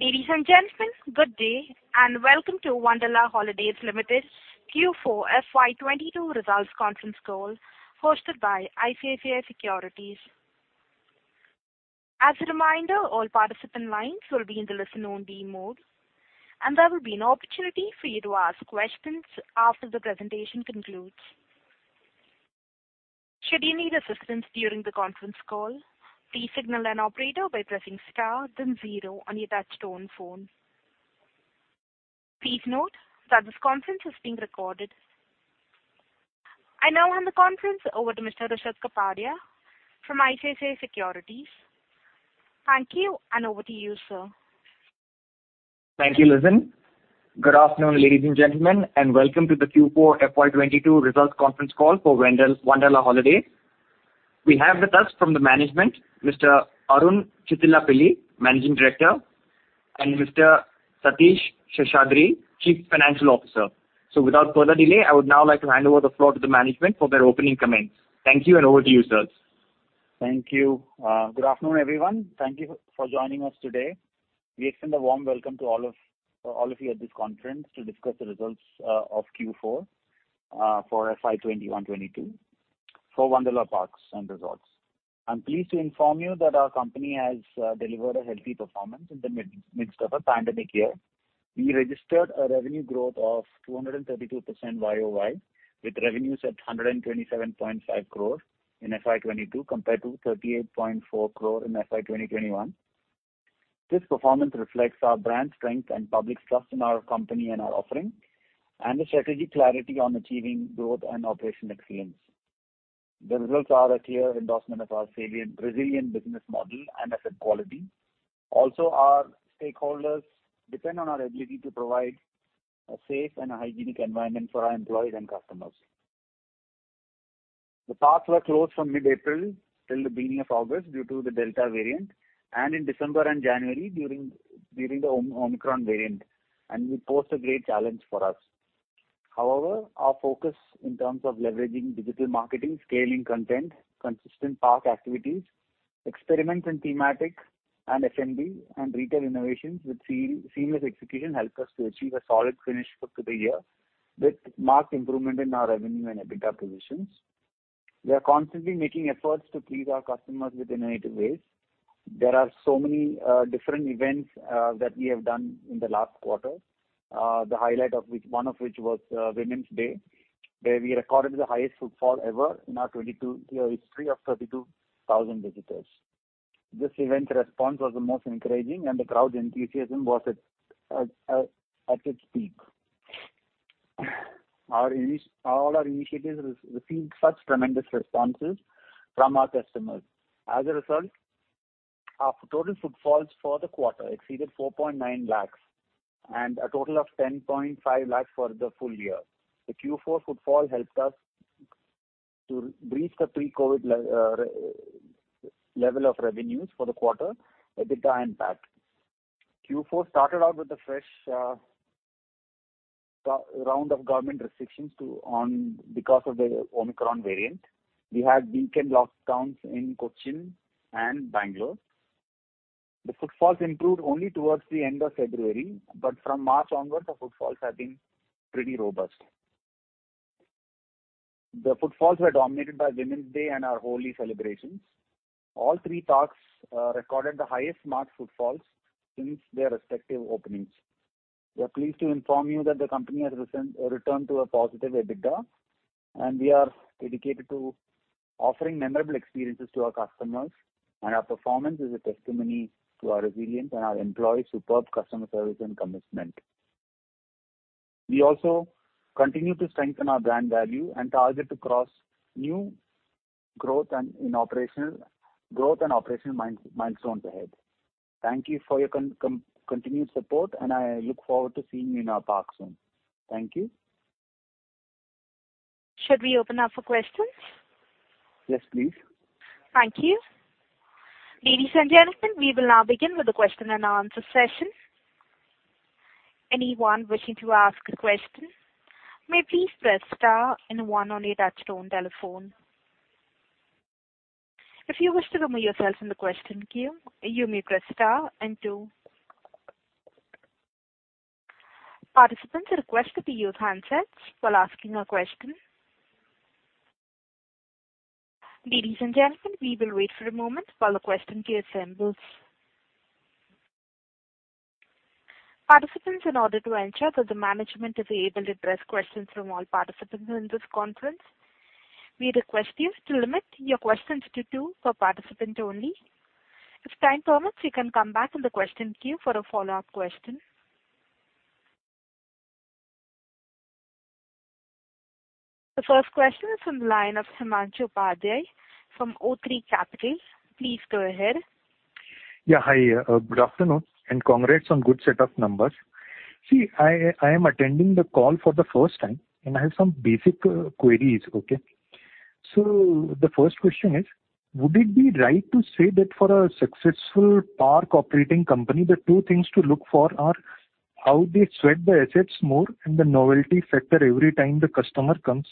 Ladies and gentlemen, good day, and welcome to Wonderla Holidays Limited Q4 FY 2022 results conference call hosted by ICICI Securities. As a reminder, all participant lines will be in the listen-only mode, and there will be an opportunity for you to ask questions after the presentation concludes. Should you need assistance during the conference call, please signal an operator by pressing star then zero on your touchtone phone. Please note that this conference is being recorded. I now hand the conference over to Mr. Rushad Kapadia from ICICI Securities. Thank you, and over to you, sir. Thank you, Lizan. Good afternoon, ladies and gentlemen, and welcome to the Q4 FY 2022 results conference call for Wonderla Holidays. We have with us from the management, Mr. Arun Chittilappilly, Managing Director, and Mr. Satheesh Seshadri, Chief Financial Officer. Without further delay, I would now like to hand over the floor to the management for their opening comments. Thank you, and over to you, sirs. Thank you. Good afternoon, everyone. Thank you for joining us today. We extend a warm welcome to all of you at this conference to discuss the results of Q4 for FY 2021-2022 for Wonderla Parks & Resort. I'm pleased to inform you that our company has delivered a healthy performance in the midst of a pandemic year. We registered a revenue growth of 232% YoY, with revenues at 127.5 crore in FY 2022 compared to 38.4 crore in FY 2021. This performance reflects our brand strength and public trust in our company and our offering and the strategic clarity on achieving growth and operational excellence. The results are a clear endorsement of our salient, resilient business model and asset quality. Also, our stakeholders depend on our ability to provide a safe and hygienic environment for our employees and customers. The parks were closed from mid-April till the beginning of August due to the Delta variant, and in December and January during the Omicron variant, and it posed a great challenge for us. However, our focus in terms of leveraging digital marketing, scaling content, consistent park activities, experiments in thematic and F&B and retail innovations with seamless execution helped us to achieve a solid finish for the year with marked improvement in our revenue and EBITDA positions. We are constantly making efforts to please our customers with innovative ways. There are so many different events that we have done in the last quarter. One of which was Women's Day, where we recorded the highest footfall ever in our 22-year history of 32,000 visitors. This event response was the most encouraging, and the crowd enthusiasm was at its peak. All our initiatives received such tremendous responses from our customers. As a result, our total footfalls for the quarter exceeded 4.9 lakhs and a total of 10.5 lakhs for the full year. The Q4 footfall helped us to breach the pre-COVID level of revenues for the quarter, EBITDA, and PAT. Q4 started out with a fresh round of government restrictions because of the Omicron variant. We had weekend lockdowns in Kochi and Bangalore. The footfalls improved only towards the end of February, but from March onwards, the footfalls have been pretty robust. The footfalls were dominated by Women's Day and our Holi celebrations. All three parks recorded the highest marked footfalls since their respective openings. We are pleased to inform you that the company has returned to a positive EBITDA, and we are dedicated to offering memorable experiences to our customers, and our performance is a testimony to our resilience and our employees' superb customer service and commitment. We also continue to strengthen our brand value and target to cross new growth and operational milestones ahead. Thank you for your continued support, and I look forward to seeing you in our parks soon. Thank you. Should we open up for questions? Yes, please. Thank you. Ladies and gentlemen, we will now begin with the question-and-answer session. Anyone wishing to ask a question may please press star and one on your touchtone telephone. If you wish to remove yourself from the question queue, you may press star and two. Participants are requested to use handsets while asking a question. Ladies and gentlemen, we will wait for a moment while the question queue assembles. Participants, in order to ensure that the management is able to address questions from all participants in this conference, we request you to limit your questions to two per participant only. If time permits, you can come back in the question queue for a follow-up question. The first question is from the line of Himanshu Pandey from o3 Capital. Please go ahead. Yeah. Hi. Good afternoon, and congrats on good set of numbers. See, I am attending the call for the first time, and I have some basic queries, okay? The first question is: Would it be right to say that for a successful park operating company, the two things to look for are how they sweat the assets more and the novelty factor every time the customer comes?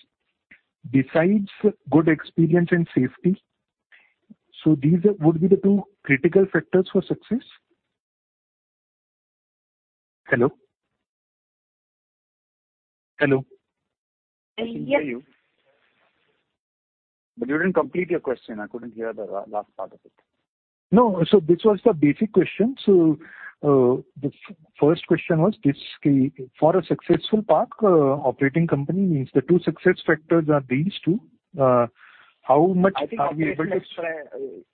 Besides good experience and safety. These would be the two critical factors for success? Hello? Hello? I hear you. You didn't complete your question. I couldn't hear the last part of it. No. This was the basic question. The first question was, basically, for a successful park, operating company means the two success factors are these two. How much are we able to- I think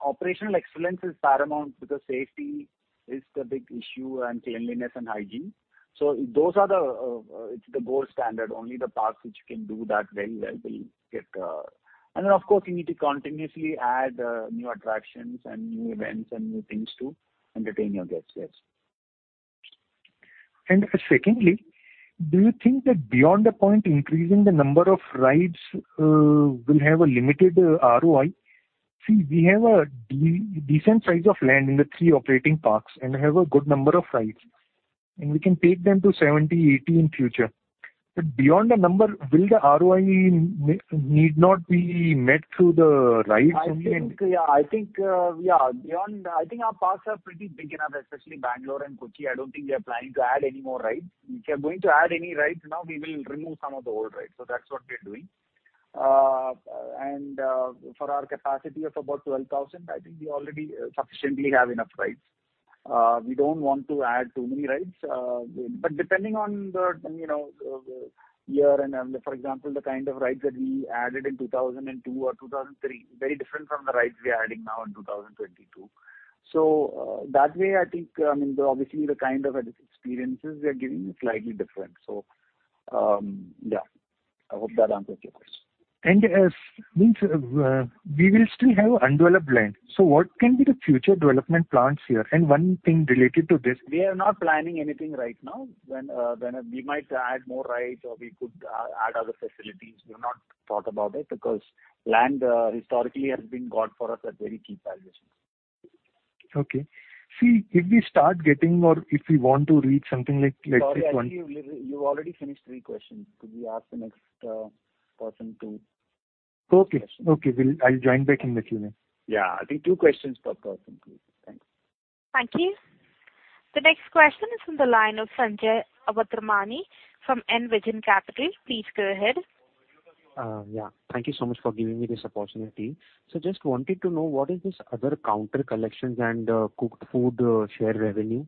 operational excellence is paramount because safety is the big issue and cleanliness and hygiene. Those are the gold standard. Only the parks which can do that very well will get. Then of course you need to continuously add new attractions and new events and new things to entertain your guests. Yes. Secondly, do you think that beyond the point increasing the number of rides will have a limited ROI? See, we have a decent size of land in the three operating parks and have a good number of rides, and we can take them to 70, 80 in future. Beyond the number, will the ROI need not be met through the rides only and I think our parks are pretty big enough, especially Bangalore and Kochi. I don't think we are planning to add any more rides. If we are going to add any rides now, we will remove some of the old rides. That's what we are doing. For our capacity of about 12,000, I think we already sufficiently have enough rides. We don't want to add too many rides. Depending on, you know, the year and, for example, the kind of rides that we added in 2002 or 2003, very different from the rides we are adding now in 2022. That way, I think, I mean, obviously the kind of experiences we are giving is slightly different. Yeah. I hope that answers your question. We will still have undeveloped land. What can be the future development plans here? One thing related to this. We are not planning anything right now when we might add more rides or we could add other facilities. We have not thought about it because land, historically has been got for us at very cheap valuations. Okay. See, if we start getting or if we want to reach something like this one. Sorry, actually you've already finished three questions. Could we ask the next person to ask questions? Okay. I'll join back in a few minutes. Yeah. I think two questions per person, please. Thanks. Thank you. The next question is from the line of Sanjay Awatramani from Envision Capital. Please go ahead. Yeah. Thank you so much for giving me this opportunity. Just wanted to know what is this other counter collections and cooked food share revenue?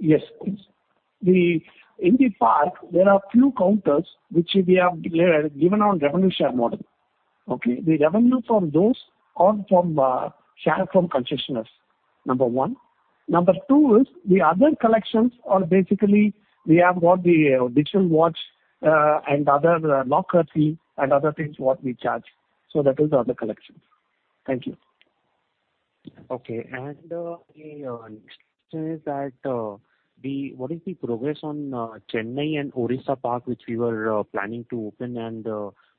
Yes, please. In the park, there are few counters which we have declared, given on revenue share model. Okay? The revenue from those are from share from concessioners, number one. Number two is the other collections are basically we have what the digital watch and other locker fee and other things what we charge. That is the other collection. Thank you. Okay. The next question is, what is the progress on Chennai and Odisha Park, which we were planning to open?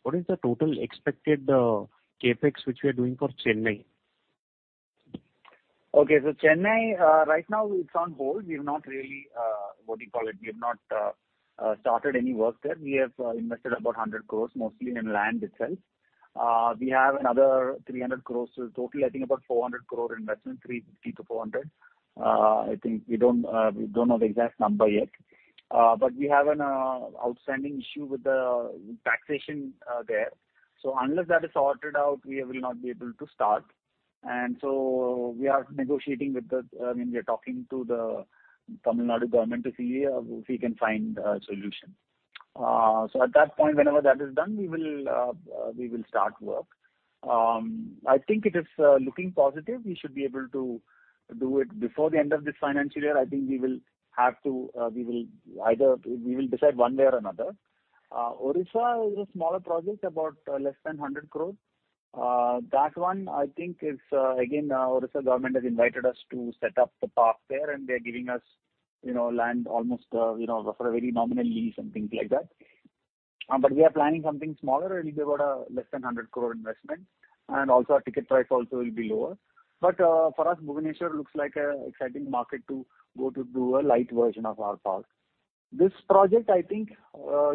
What is the total expected CapEx which we are doing for Chennai? Chennai, right now it's on hold. We have not really started any work there. We have invested about 100 crore, mostly in land itself. We have another 300 crore. Total I think about 400 crore investment, 350-400. I think we don't know the exact number yet. But we have an outstanding issue with the taxation there. Unless that is sorted out, we will not be able to start. We are negotiating with the, I mean, we are talking to the Tamil Nadu government to see if we can find a solution. At that point, whenever that is done, we will start work. I think it is looking positive. We should be able to do it before the end of this financial year. I think we will have to. We will decide one way or another. Odisha is a smaller project, about less than 100 crore. That one I think is, again, Odisha government has invited us to set up the park there, and they are giving us, you know, land almost, you know, for a very nominal lease and things like that. We are planning something smaller. It'll be about, less than 100 crore investment. Our ticket price also will be lower. For us, Bhubaneswar looks like an exciting market to go to do a light version of our park. This project I think,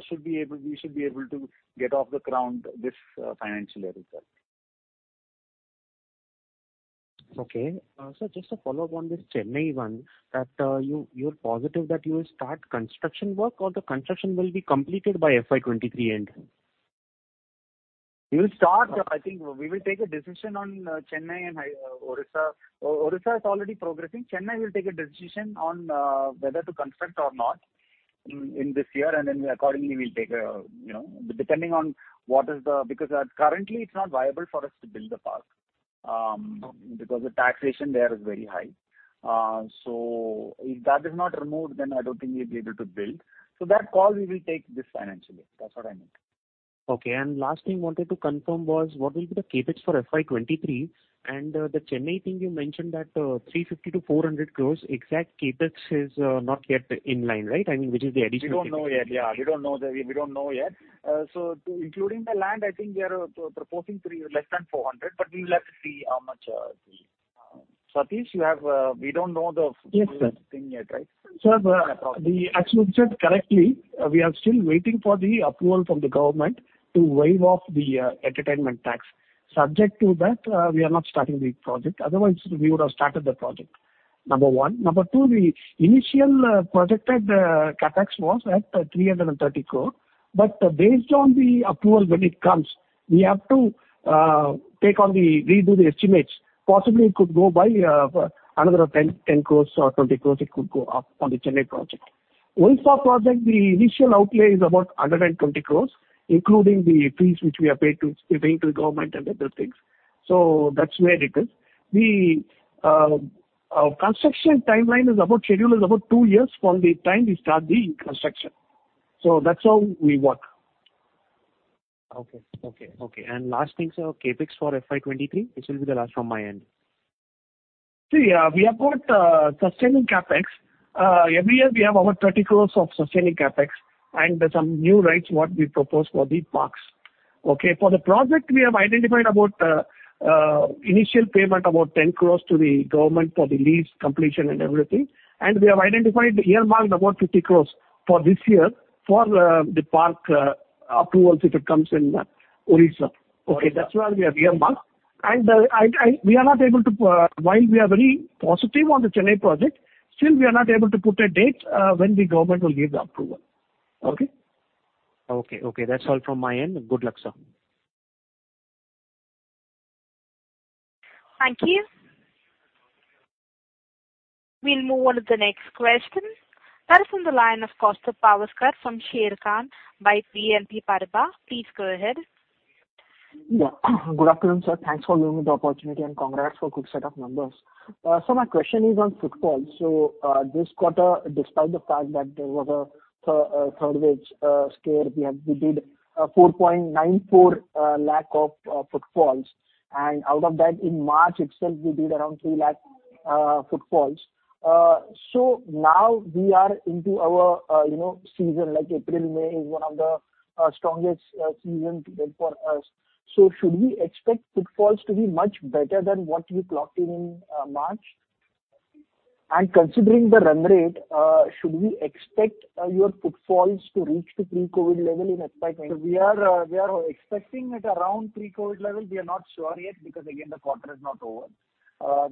should be able. We should be able to get off the ground this, financial year itself. Just a follow-up on this Chennai one, that you're positive that you will start construction work or the construction will be completed by FY 2023 end? We'll start. I think we will take a decision on Chennai and Odisha. Odisha is already progressing. Chennai will take a decision on whether to construct or not in this year. Then accordingly we'll take, you know, depending on what is the. Because currently it's not viable for us to build the park, because the taxation there is very high. If that is not removed, then I don't think we'll be able to build. That call we will take this financial year. That's what I meant. Okay. Last thing I wanted to confirm was what will be the CapEx for FY 2023? The Chennai thing you mentioned that 350 crore-400 crore exact CapEx is not yet in line, right? I mean, which is the additional- We don't know yet. Including the land, I think we are proposing less than 400, but we will have to see how much the Satheesh, you have, we don't know the. Yes, sir. Anything yet, right? Sir, actually, you said correctly. We are still waiting for the approval from the government to waive off the entertainment tax. Subject to that, we are not starting the project. Otherwise, we would have started the project, number one. Number two, the initial projected CapEx was at 330 crore. Based on the approval when it comes, we have to redo the estimates. Possibly it could go up by another 10 crore or 20 crore on the Chennai project. Odisha project, the initial outlay is about 120 crore, including the fees which we have paid to the government and other things. That's where it is. The construction schedule is about two years from the time we start the construction. That's how we work. Last thing, sir, CapEx for FY 2023. This will be the last from my end. See, we have got sustaining CapEx. Every year we have over 30 crores of sustaining CapEx and some new rides what we propose for the parks, okay? For the project, we have identified initial payment about 10 crores to the government for the lease completion and everything. We have identified earmarked about 50 crores for this year for the park approvals if it comes in Odisha. Okay? That's why we have earmarked. While we are very positive on the Chennai project, still we are not able to put a date when the government will give the approval. Okay? Okay. Okay. That's all from my end. Good luck, sir. Thank you. We'll move on to the next question. That is on the line of Kaustubh Pawaskar from Sharekhan by BNP Paribas. Please go ahead. Good afternoon, sir. Thanks for giving me the opportunity, and congrats for good set of numbers. My question is on footfalls. This quarter, despite the fact that there was a third wave scare, we did 4.94 lakh footfalls. Out of that, in March itself, we did around 3 lakh footfalls. Now we are into our you know, season, like April, May is one of the strongest season to date for us. Should we expect footfalls to be much better than what we clocked in March? Considering the run rate, should we expect your footfalls to reach the pre-COVID level in FY 2023. We are expecting at around pre-COVID level. We are not sure yet, because again, the quarter is not over.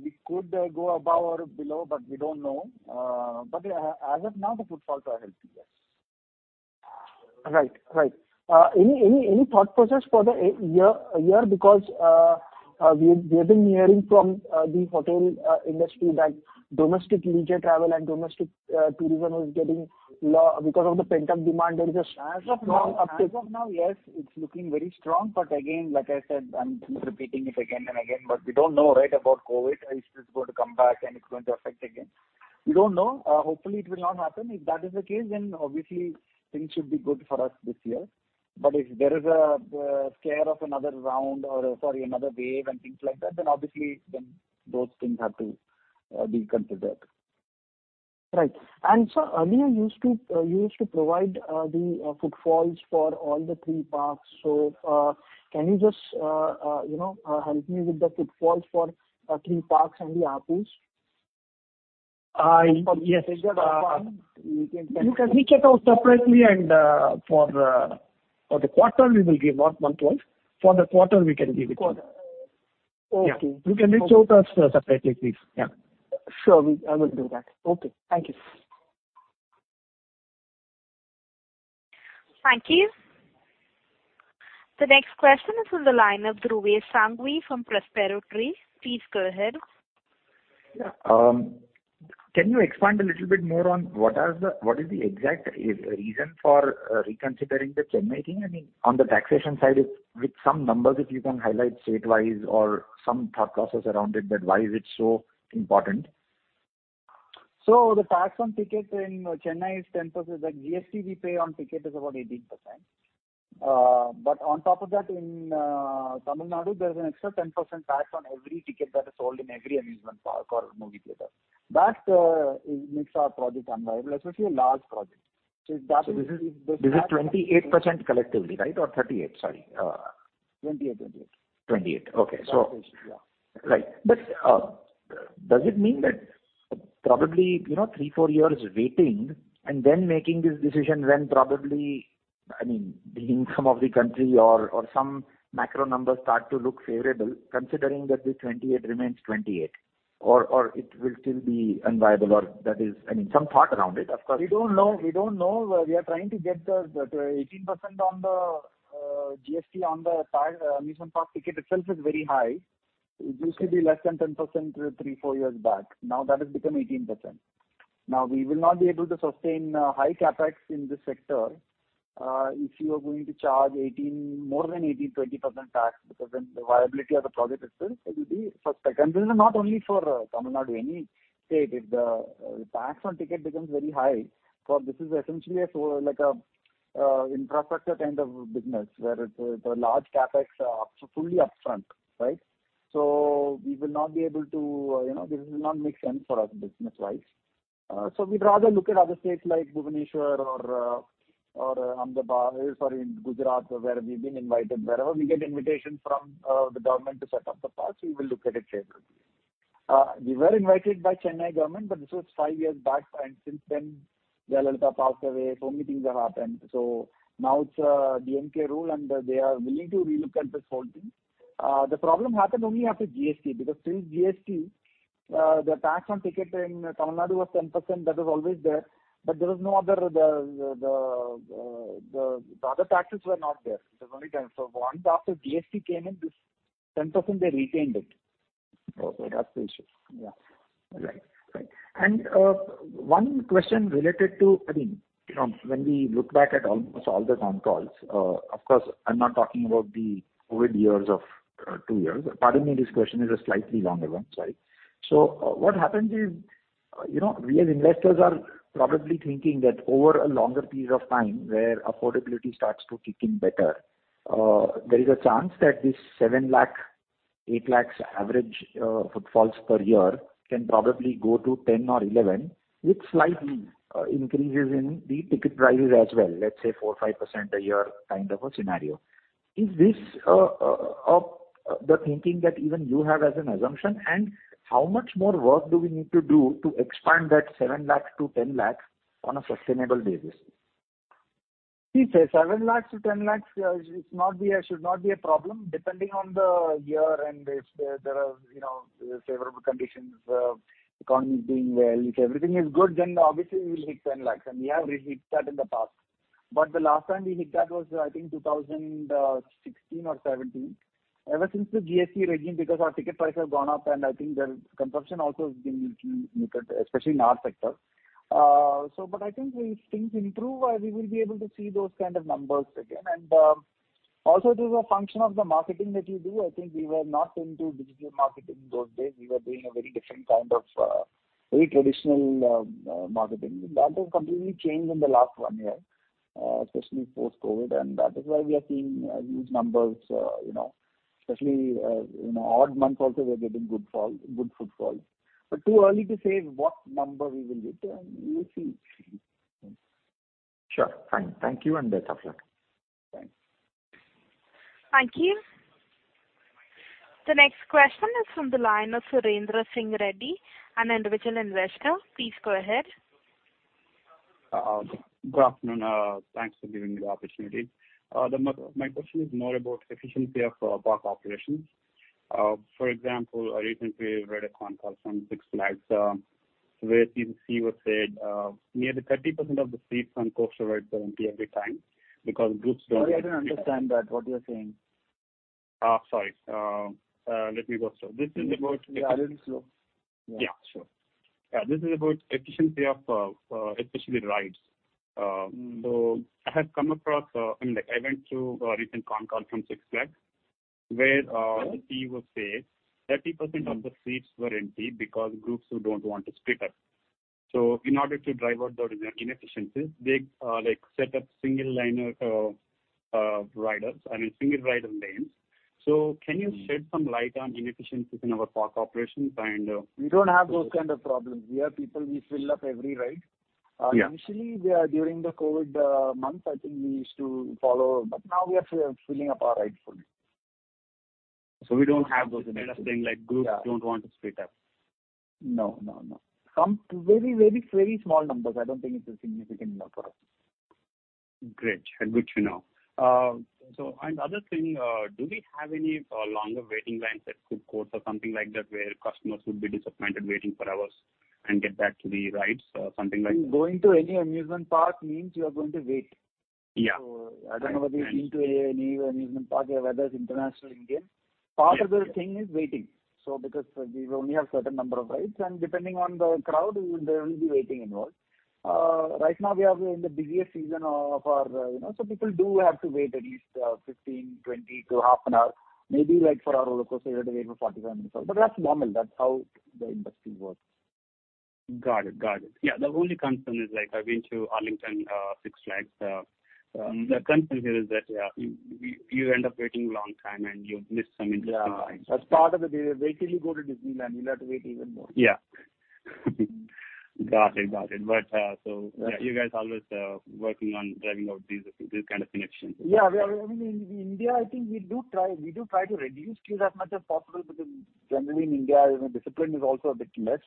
We could go above or below, but we don't know. As of now, the footfalls are healthy, yes. Right. Any thought process for the year? Because we have been hearing from the hotel industry that domestic leisure travel and domestic tourism was getting low because of the pent-up demand, there is a strong uptake. As of now, yes, it's looking very strong. Again, like I said, I keep repeating it again and again, but we don't know, right, about COVID. Is this going to come back and it's going to affect again? We don't know. Hopefully it will not happen. If that is the case, then obviously, things should be good for us this year. If there is a scare of another round or, sorry, another wave and things like that, then obviously those things have to be considered. Right. Sir, earlier you used to provide the footfalls for all the three parks. Can you just, you know, help me with the footfalls for three parks and the apples? Yes. Is that a park? You can reach it out separately and for the quarter we will give. Not month wise. For the quarter we can give it. Quarter. Okay. Yeah. You can reach out to us, separately, please. Yeah. Sure. I will do that. Okay, thank you. Thank you. The next question is on the line of Dhruvesh Sanghvi from Prospero Tree. Please go ahead. Yeah. Can you expand a little bit more on what is the exact reason for reconsidering the Chennai thing? I mean, on the taxation side, with some numbers, if you can highlight state-wise or some thought process around it that why is it so important? The tax on tickets in Chennai is 10%. The GST we pay on ticket is about 18%. But on top of that, in Tamil Nadu, there is an extra 10% tax on every ticket that is sold in every amusement park or movie theater. That makes our project unviable, especially a large project. This is 28% collectively, right? Or 38%? Sorry. 28%. 28% Okay. Taxation, yeah. Right. Does it mean that probably, you know, three to four years waiting and then making this decision when probably, I mean, the income of the country or some macro numbers start to look favorable, considering that the 28 remains 28 or it will still be unviable or that is, I mean, some thought around it, of course. We don't know. We are trying to get the 18% on the GST on the park, amusement park ticket itself is very high. It used to be less than 10% three to four years back. Now that has become 18%. Now, we will not be able to sustain high CapEx in this sector if you are going to charge 18%, more than 18%, 20% tax, because then the viability of the project itself will be suspect. This is not only for Tamil Nadu. Any state, if the tax on ticket becomes very high, for this is essentially an infrastructure kind of business where it's the large CapEx fully upfront, right? We will not be able to, you know, this will not make sense for us business-wise. We'd rather look at other states like Bhubaneswar or Ahmedabad. Sorry, in Gujarat where we've been invited. Wherever we get invitation from the government to set up the parks, we will look at it favorably. We were invited by Chennai government, but this was five years back and since then, Jayalalithaa passed away, so many things have happened. Now it's DMK rule and they are willing to relook at this whole thing. The problem happened only after GST because pre-GST, the tax on ticket in Tamil Nadu was 10%, that was always there. But there was no other, the other taxes were not there. It was only 10. Once after GST came in, this 10% they retained it. Okay. That's the issue. Yeah. All right. One question related to, I mean, you know, when we look back at almost all the con calls, of course, I'm not talking about the COVID years of two years. Pardon me, this question is a slightly longer one. Sorry. What happens is, you know, we as investors are probably thinking that over a longer period of time where affordability starts to kick in better, there is a chance that this 7 lakh, 8 lakhs average footfalls per year can probably go to 10 or 11 with slight increases in the ticket prices as well. Let's say 4%-5% a year kind of a scenario. Is this the thinking that even you have as an assumption and how much more work do we need to do to expand that 7 lakh to 10 lakh on a sustainable basis? See, 7 lakhs to 10 lakhs is not should not be a problem depending on the year and if there are, you know, favorable conditions, economy is doing well. If everything is good, then obviously we will hit 10 lakhs, and we have hit that in the past. The last time we hit that was I think 2016 or 2017. Ever since the GST regime, because our ticket prices have gone up and I think the consumption also has been little muted, especially in our sector. But I think if things improve, we will be able to see those kind of numbers again. Also, it is a function of the marketing that you do. I think we were not into digital marketing those days. We were doing a very different kind of very traditional marketing. That has completely changed in the last one year, especially post-COVID, and that is why we are seeing huge numbers, you know, especially, you know, odd months also we are getting good footfalls. Too early to say what number we will hit, we will see. Sure. Fine. Thank you, and best of luck. Thanks. Thank you. The next question is from the line of Surendra Singh Reddy, an individual investor. Please go ahead. Good afternoon. Thanks for giving me the opportunity. My question is more about efficiency of park operations. For example, I recently read a conference call from Six Flags, where the CEO said nearly 30% of the seats on coaster rides are empty every time because groups don't- Sorry, I didn't understand that. What you are saying? Sorry. Let me go slow. This is about. Yeah, a little slow. Yeah. Sure. Yeah. This is about efficiency of, especially rides. I went through a recent con call from Six Flags where, CEO was saying 30% of the seats were empty because groups who don't want to split up. In order to drive out those inefficiencies, they set up single rider lanes. Can you shed some light on inefficiencies in our park operations and, We don't have those kind of problems. We have people, we fill up every ride. Yeah. Initially, yeah, during the COVID months, I think we used to follow, but now we are filling up our rides fully. We don't have those kind of thing like groups don't want to split up. No. Some very small numbers. I don't think it is significant enough for us. Great. Good to know. Other thing, do we have any longer waiting lines at food courts or something like that where customers would be disappointed waiting for hours and get back to the rides or something like that? Going to any amusement park means you are going to wait. Yeah. I don't know whether you've been to any amusement park, whether it's international or Indian. Part of the thing is waiting. Because we only have certain number of rides, and depending on the crowd, there will be waiting involved. Right now we are in the busiest season of our, you know. People do have to wait at least, 15, 20 to half an hour, maybe like for our roller coaster they have to wait for 45 minutes. But that's normal. That's how the industry works. Got it. Yeah. The only concern is like I've been to Arlington, Six Flags. The concern here is that, yeah, you end up waiting long time and you miss some interesting rides. Yeah. That's part of it. If you go to Disneyland, you'll have to wait even more. Yeah. Got it. You guys always working on driving out these kind of inefficiencies. Yeah. I mean, in India, I think we do try to reduce queues as much as possible because generally in India, you know, discipline is also a bit less.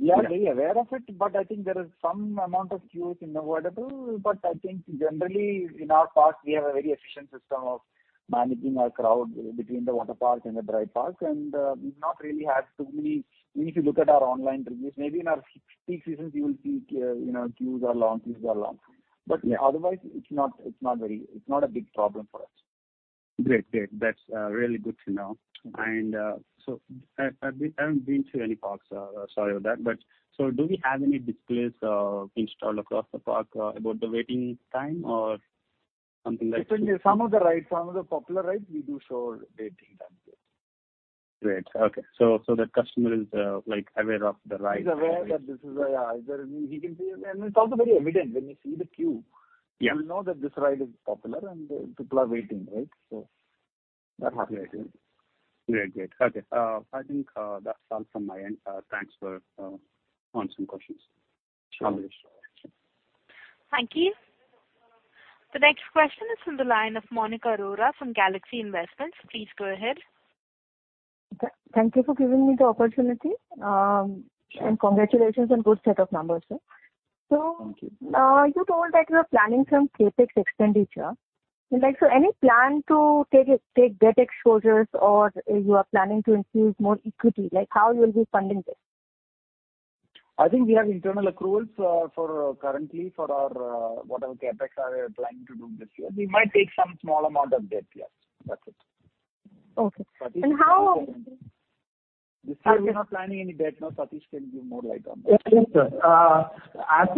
We are very aware of it, but I think there is some amount of queues inevitable. I think generally in our parks we have a very efficient system of managing our crowd between the water park and the dry park, and not really has too many. If you look at our online reviews, maybe in our peak seasons you will see you know, queues are long. Otherwise, it's not a very big problem for us. Great. That's really good to know. I haven't been to any parks. Sorry about that. Do we have any displays installed across the park about the waiting time or something like that? Definitely. Some of the rides, some of the popular rides we do show waiting time, yes. Great. Okay. The customer is, like aware of the ride. He's aware that this is a, yeah, either he can see, and it's also very evident when you see the queue. Yeah. You know that this ride is popular and people are waiting, right? That's great. Great. Okay. I think that's all from my end. Thanks for answering questions. Thank you. The next question is from the line of Monica Arora from Galaxy Investments. Please go ahead. Thank you for giving me the opportunity. Congratulations on good set of numbers, sir. Thank you. You told that you are planning some CapEx expenditure. Like, any plan to take debt exposures or you are planning to infuse more equity? Like, how you will be funding this? I think we have internal accruals for whatever CapEx we are planning to do this year. We might take some small amount of debt, yes. That's it. Okay. Satheesh can give more. And how- This year we're not planning any debt. Now Satheesh can give more light on that. Yes, yes, sir. As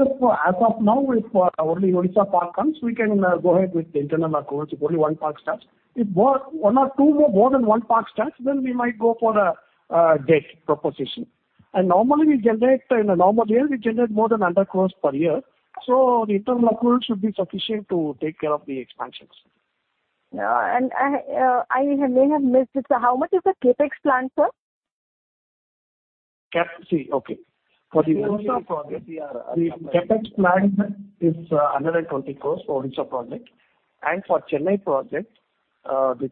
of now, if only Odisha park comes, we can go ahead with the internal accruals if only one park starts. If more than one park starts, then we might go for a debt proposition. In a normal year, we generate more than 100 crores per year, so the internal accruals should be sufficient to take care of the expansions. I may have missed it, sir. How much is the CapEx plan, sir? Okay. For the Odisha project, the CapEx plan is 120 crores for Odisha project. For Chennai project, the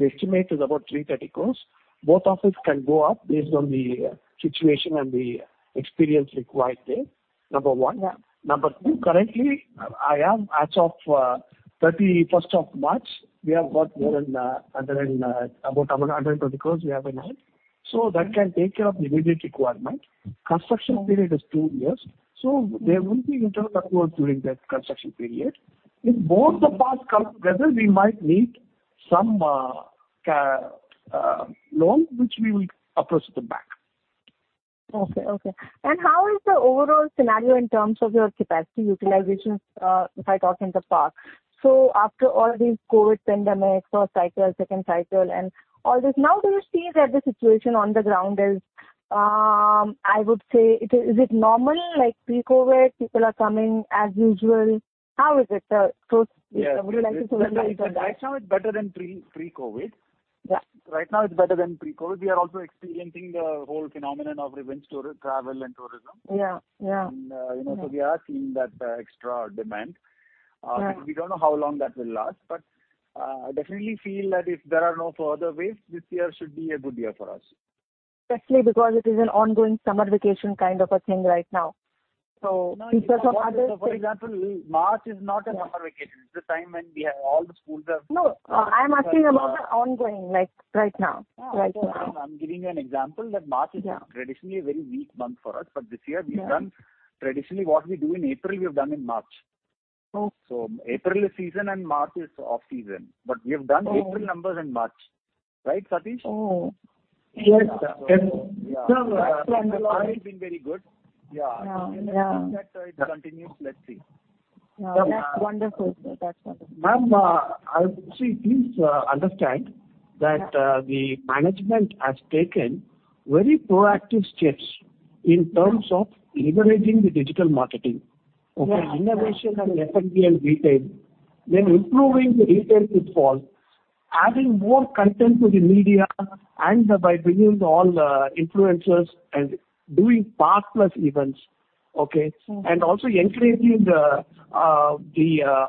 estimate is about 330 crores. Both of it can go up based on the situation and the experience required there, number one. Yeah. Number two, currently, as of March 31st, we have got more than 100 and about 120 crore INR in hand. That can take care of the immediate requirement. Construction period is two years, so there will be internal accruals during that construction period. If both the parks come together, we might need some loan, which we will approach the bank. Okay, okay. How is the overall scenario in terms of your capacity utilizations, if I talk in the park? After all these COVID pandemics or cycles, second cycle and all this, now do you see that the situation on the ground is normal like pre-COVID? People are coming as usual. How is it, sir? Would you like to- Yes. Throw some light on that? Right now it's better than pre-COVID. Yeah. Right now it's better than pre-COVID. We are also experiencing the whole phenomenon of revenge travel and tourism. Yeah. Yeah. You know, we are seeing that extra demand. Right. We don't know how long that will last, but definitely feel that if there are no further waves, this year should be a good year for us. Especially because it is an ongoing summer vacation kind of a thing right now. In terms of other things. No, for example, March is not a summer vacation. It's a time when we have all the schools are. No, I'm asking about the ongoing, like right now. Right now. I'm giving you an example that March is- Yeah. Traditionally a very weak month for us. This year we've done traditionally what we do in April, we have done in March. Oh. April is season and March is off season. We have done April numbers in March, right, Satheesh? Oh. Yes, sir. Yeah. That's wonderful. April has been very good. Yeah. Yeah. Yeah. If that continues, let's see. Yeah. That's wonderful, sir. That's wonderful. Ma'am, see, please, understand that the management has taken very proactive steps in terms of leveraging the digital marketing. Yeah. Yeah. Innovation and F&B and retail. We are improving the retail footfall, adding more content to the media and by bringing all the influencers and doing park plus events. Okay? Sure. Also encroaching the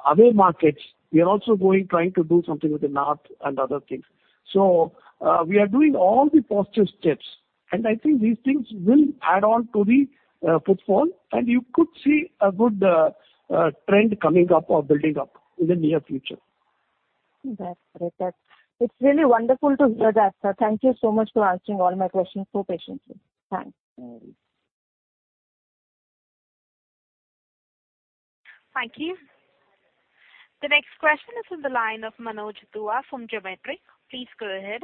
other markets. We are also going, trying to do something with the north and other things. We are doing all the positive steps, and I think these things will add on to the footfall and you could see a good trend coming up or building up in the near future. That's great. It's really wonderful to hear that, sir. Thank you so much for answering all my questions so patiently. Thanks. Thank you. The next question is from the line of Manoj Dua from Geometric. Please go ahead.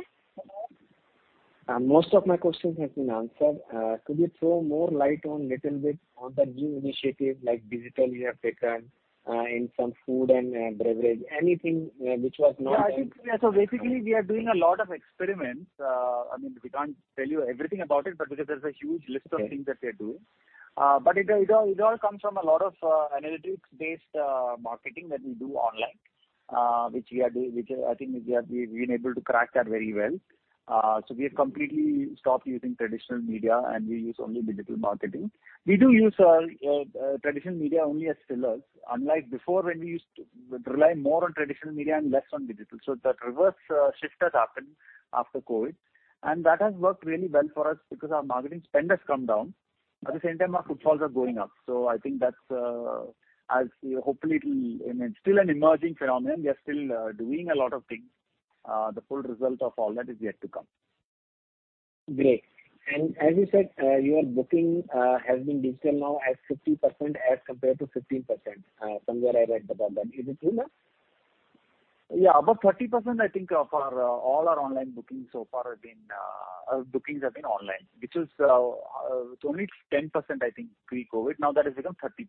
Most of my questions have been answered. Could you throw more light on little bit on the new initiative like digitally taken in some food and beverage, anything which was not- Yeah, I think, yeah, basically we are doing a lot of experiments. I mean, we can't tell you everything about it, but because there's a huge list of things that we are doing. But it all comes from a lot of analytics based marketing that we do online, which I think we have, we've been able to crack that very well. We have completely stopped using traditional media, and we use only digital marketing. We do use traditional media only as fillers. Unlike before, when we used to rely more on traditional media and less on digital. That reverse shift has happened after COVID, and that has worked really well for us because our marketing spend has come down. At the same time, our footfalls are going up. I think that's it. I mean, it's still an emerging phenomenon. We are still doing a lot of things. The full result of all that is yet to come. Great. As you said, your booking has been digital now as 50% as compared to 15%. Somewhere I read about that. Is it true, sir? Yeah. About 30% I think for all our online bookings so far have been online, it's only 10% I think pre-COVID. Now that has become 30%.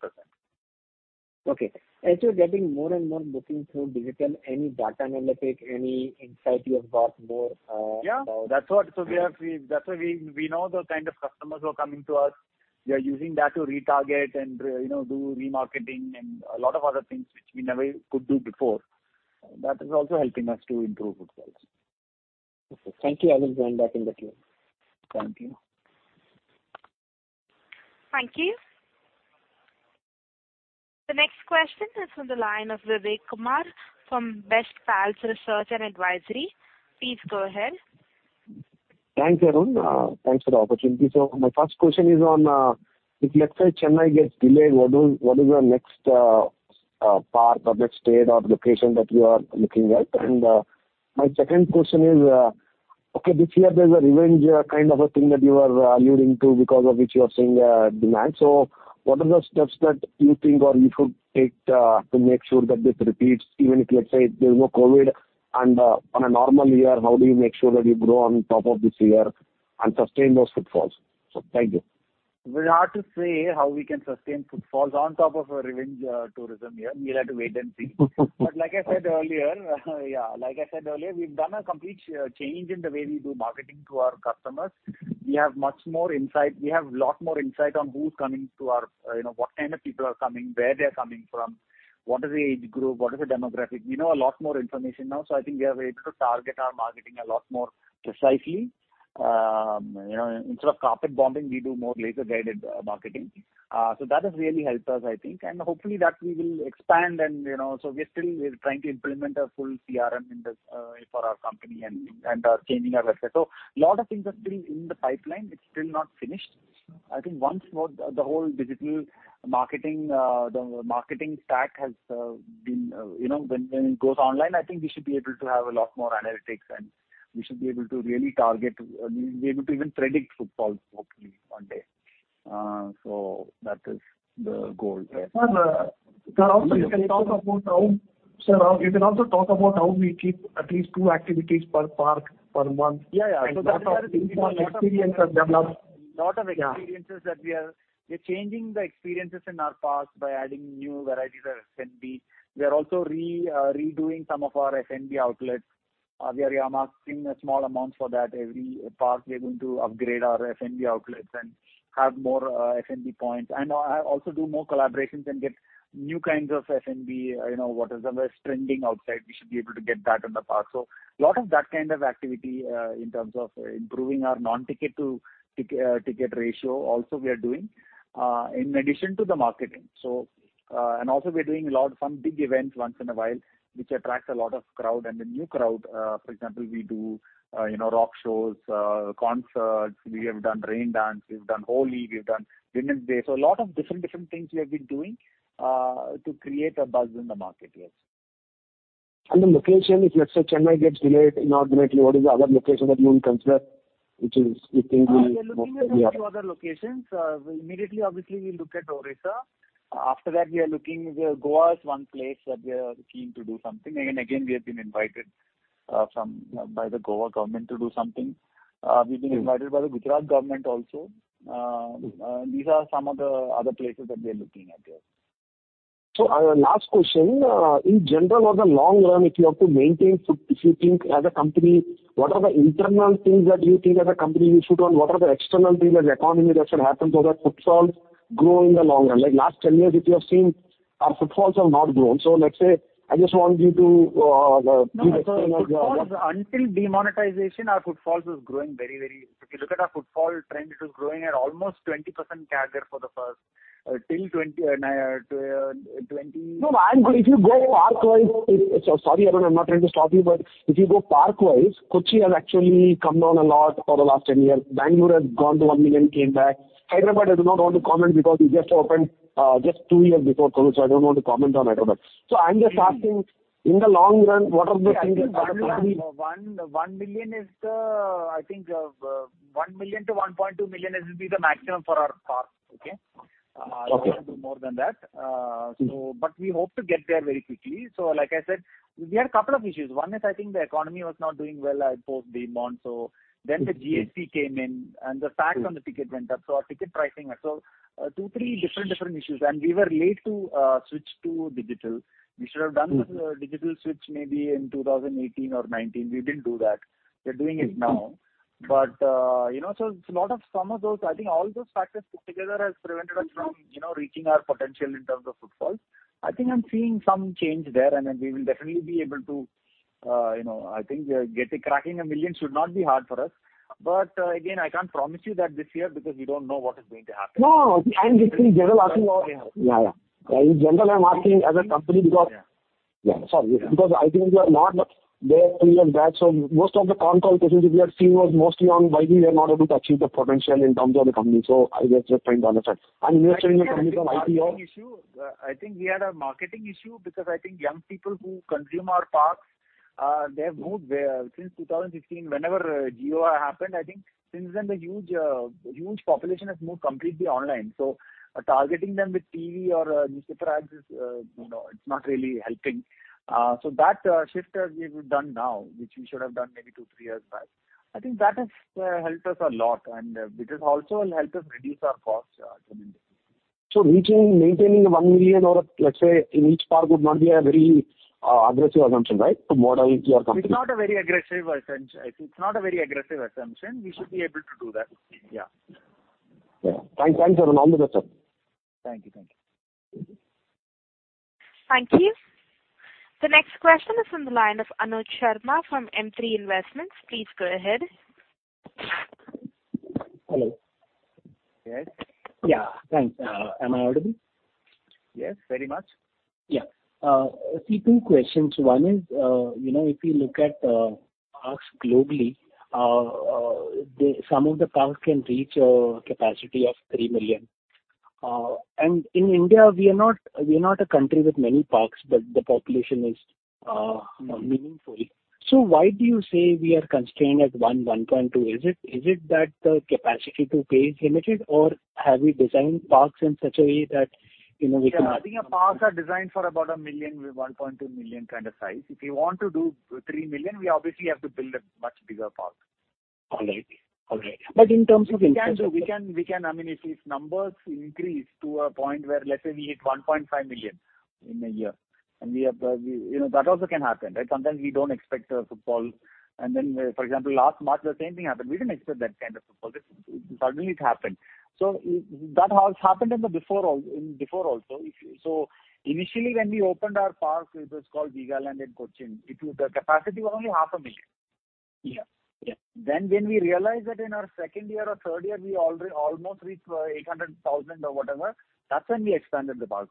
Okay. As you're getting more and more booking through digital, any data analytics, any insight you have got more about- That's why we know the kind of customers who are coming to us. We are using that to retarget and, you know, do remarketing and a lot of other things which we never could do before. That is also helping us to improve footfalls. Okay, thank you. I will join back in the queue. Thank you. Thank you. The next question is on the line of Vivek Kumar from Bestpals Research & Advisory. Please go ahead. Thanks, Arun. Thanks for the opportunity. My first question is on if let's say Chennai gets delayed, what is the next park or the state or location that you are looking at? My second question is, okay, this year there's a revenge kind of a thing that you are alluding to because of which you are seeing demand. What are the steps that you think one should take to make sure that this repeats, even if, let's say, there's no COVID and on a normal year, how do you make sure that you grow on top of this year and sustain those footfalls? Thank you. Very hard to say how we can sustain footfalls on top of a revenge tourism year. We'll have to wait and see. Like I said earlier, we've done a complete change in the way we do marketing to our customers. We have much more insight. We have a lot more insight on who's coming to our. You know, what kind of people are coming, where they're coming from, what is the age group, what is the demographic. We know a lot more information now, so I think we are able to target our marketing a lot more precisely. You know, instead of carpet bombing, we do more laser-guided marketing. So that has really helped us, I think. Hopefully that we will expand and, you know, we're still trying to implement a full CRM in this for our company and changing our website. A lot of things are still in the pipeline. It's still not finished. I think once more the whole digital marketing, the marketing stack has been, you know, when it goes online, I think we should be able to have a lot more analytics, and we should be able to really target, be able to even predict footfalls hopefully one day. That is the goal there. Sir, also you can talk about how we keep at least two activities per park per month. Yeah, yeah. In terms of things or experience are developed. We're changing the experiences in our parks by adding new varieties of F&B. We are also redoing some of our F&B outlets. We are earmarking small amounts for that. Every park we're going to upgrade our F&B outlets and have more F&B points and also do more collaborations and get new kinds of F&B. You know, what is the most trending outside, we should be able to get that in the park. A lot of that kind of activity in terms of improving our non-ticket to ticket ratio also we are doing in addition to the marketing. We are doing a lot, some big events once in a while, which attracts a lot of crowd and the new crowd. For example, we do, you know, rock shows, concerts. We have done rain dance, we've done Holi, we've done Women's Day. A lot of different things we have been doing to create a buzz in the market. Yes. The location, if let's say Chennai gets delayed inauguration, what is the other location that you would consider, which you think will be most? We are looking at a few other locations. Immediately, obviously we look at Odisha. After that, we are looking. Goa is one place that we are keen to do something. Again, we have been invited by the Goa government to do something. We've been invited by the Gujarat government also. These are some of the other places that we are looking at, yes. Last question. In general or the long run, if you think as a company, what are the internal things that you think as a company you should run? What are the external things in the economy that should happen so that footfalls grow in the long run? Like, last ten years if you have seen our footfalls have not grown. Let's say I just want you to give explanation of your No, footfalls, until demonetization our footfalls was growing very. If you look at our footfall trend, it was growing at almost 20% CAGR for the first, till 20. No, no. If you go park-wise, it's. Sorry, Arun, I'm not trying to stop you, but if you go park-wise, Kochi has actually come down a lot for the last 10 years. Bangalore has gone to 1 million, came back. Hyderabad, I do not want to comment because we just opened just 2 years before COVID, so I don't want to comment on Hyderabad. I'm just asking in the long run, what are the things that the company Yeah, I think 1 million to 1.2 million will be the maximum for our parks. Okay? Okay. We cannot do more than that. We hope to get there very quickly. Like I said, we had a couple of issues. One is, I think the economy was not doing well post demonetization. The GST came in and the tax on the ticket went up. Our ticket pricing went up. Two, three different issues and we were late to switch to digital. We should have done the digital switch maybe in 2018 or 2019. We didn't do that. We're doing it now. You know, so it's a lot of some of those, I think all those factors put together has prevented us from, you know, reaching our potential in terms of footfalls. I think I'm seeing some change there and then we will definitely be able to, you know, I think. Cracking a million should not be hard for us. Again, I can't promise you that this year because we don't know what is going to happen. No, I'm just in general asking all. Yeah. Yeah, yeah. In general, I'm asking as a company because. Yeah. Yeah, sorry. Yeah. Because I think we are not there fully or that. Most of the con call presentations we are seeing was mostly on why we were not able to achieve the potential in terms of the company. I was just trying to understand. We are seeing the company from IPO- I think we had a marketing issue because I think young people who consume our parks, they have moved, since 2016. Whenever Jio happened, I think since then the huge population has moved completely online. Targeting them with TV or newspaper ads is, you know, it's not really helping. That shift we've done now, which we should have done maybe two to three years back. I think that has helped us a lot and because also it'll help us reduce our costs, a little bit. Reaching, maintaining 1 million or, let's say, in each park would not be a very, aggressive assumption, right? To model your company. It's not a very aggressive assumption. I think it's not a very aggressive assumption. We should be able to do that. Yeah. Yeah. Thanks, everyone. All the best. Thank you. Thank you. Thank you. The next question is from the line of Anuj Sharma from M3 Investments. Please go ahead. Hello. Yes. Yeah. Thanks. Am I audible? Yes, very much. A few questions. One is, you know, if you look at parks globally, some of the parks can reach a capacity of 3 million. In India, we are not a country with many parks, but the population is, you know, meaningful. Why do you say we are constrained at 1.2? Is it that the capacity to pay is limited, or have we designed parks in such a way that, you know, we cannot- Yeah, I think our parks are designed for about a million, 1.2 million kind of size. If you want to do 3 million, we obviously have to build a much bigger park. All right. In terms of interest. I mean, if these numbers increase to a point where let's say we hit 1.5 million in a year, and we have. You know, that also can happen, right? Sometimes we don't expect footfall and then, for example, last March the same thing happened. We didn't expect that kind of footfall. This suddenly happened. That has happened before also. Initially when we opened our park, it was called Veegaland in Kochi. The capacity was only 500,000. Yeah. Yeah. When we realized that in our second year or third year we already almost reached 800,000 or whatever, that's when we expanded the park.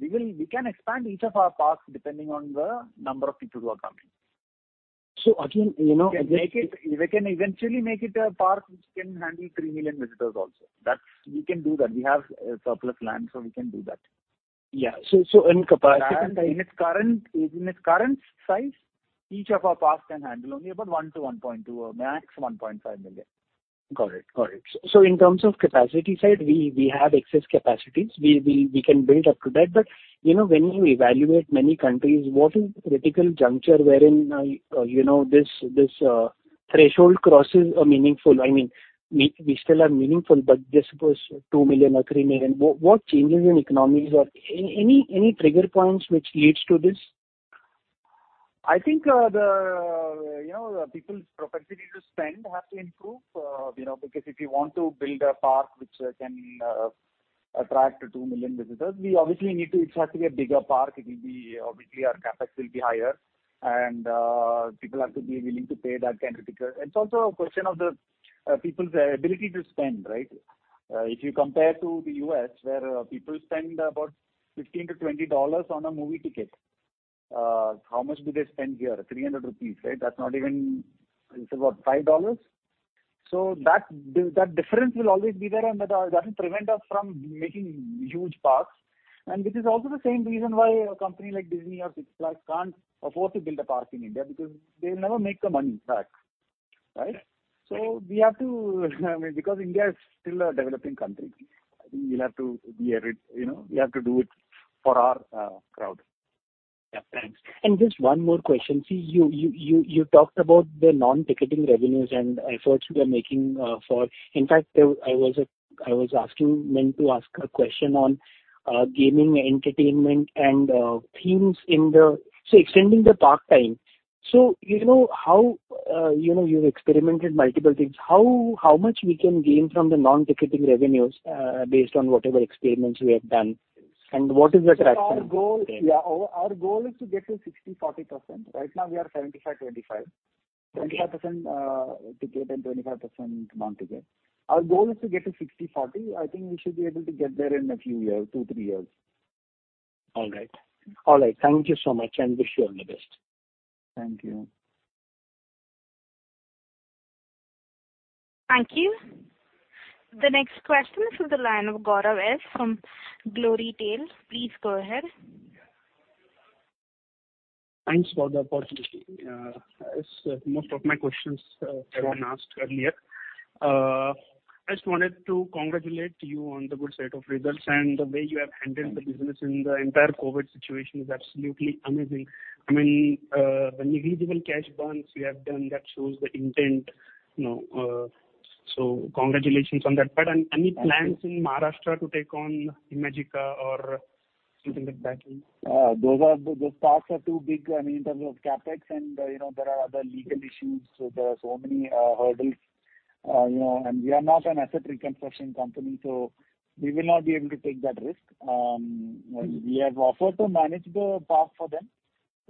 We can expand each of our parks depending on the number of people who are coming. Again, you know. We can eventually make it a park which can handle 3 million visitors also. That's. We can do that. We have a surplus land, so we can do that. Yeah. In capacity. In its current size, each of our parks can handle only about 1-1.2 or max 1.5 million. Got it. In terms of capacity side, we have excess capacities. We can build up to that. You know, when you evaluate many countries, what is the critical juncture wherein you know this threshold crosses a meaningful. I mean, we still are meaningful, but just suppose 2 million or 3 million. What changes in economies or any trigger points which leads to this? I think you know people's propensity to spend has to improve you know because if you want to build a park which can attract 2 million visitors it has to be a bigger park. Obviously our CapEx will be higher and people have to be willing to pay that kind of ticket. It's also a question of the people's ability to spend, right? If you compare to the U.S. where people spend about $15-$20 on a movie ticket, how much do they spend here? 300 rupees, right? That's not even $5. So that difference will always be there and that doesn't prevent us from making huge parks. This is also the same reason why a company like Disney or Six Flags can't afford to build a park in India because they'll never make the money back, right? We have to, I mean, because India is still a developing country. I think we'll have to be a bit, you know, we have to do it for our crowd. Yeah. Thanks. Just one more question. See, you talked about the non-ticketing revenues and efforts you are making. In fact, I was meant to ask a question on gaming, entertainment and themes, extending the park time. You know how you know, you've experimented multiple things. How much we can gain from the non-ticketing revenues based on whatever experiments we have done? And what is the traction there? Our goal is to get to 60/40%. Right now we are 75/25%. Okay. 25% ticket and 25% non-ticket. Our goal is to get to 60/40. I think we should be able to get there in a few years, two to three years. All right. Thank you so much, and wish you all the best. Thank you. Thank you. The next question is from the line of Gaurav S from Glorytail. Please go ahead. Thanks for the opportunity. As most of my questions have been asked earlier, I just wanted to congratulate you on the good set of results and the way you have handled. Thank you. The business in the entire COVID situation is absolutely amazing. I mean, the negligible cash burns you have done that shows the intent, you know, so congratulations on that. But any plans in Maharashtra to take on Imagicaa or something like that? Those parks are too big, I mean, in terms of CapEx and, you know, there are other legal issues. There are so many hurdles, you know, and we are not an asset reconstruction company, so we will not be able to take that risk. We have offered to manage the park for them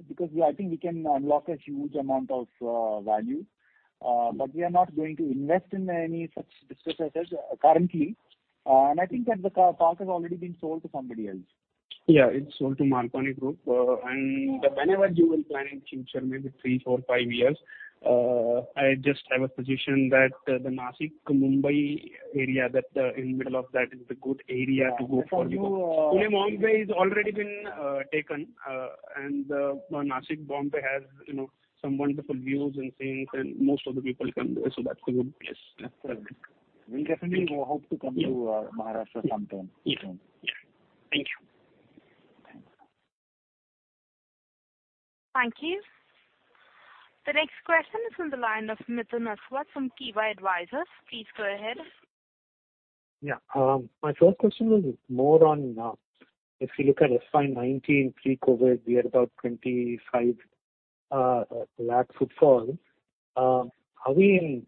because I think we can unlock a huge amount of value, but we are not going to invest in any such businesses currently. I think that the park has already been sold to somebody else. Yeah, it's sold to Malpani Group. Whenever you will plan in future, maybe three, four, five years, I just have a suggestion that the Nashik-Mumbai area, in the middle of that, is the good area to go for you. Yeah. For new Pune-Mumbai has already been taken, and Nashik-Mumbai has, you know, some wonderful views and things, and most of the people come there, so that's a good place. Absolutely. Thank you. We'll definitely hope to come to Maharashtra sometime soon. Yeah. Thank you. Thank you. The next question is from the line of Mithun Aswath from Kivah Advisors. Please go ahead. My first question was more on if you look at FY 2019 pre-COVID, we had about 25 lakh footfall. Are we in,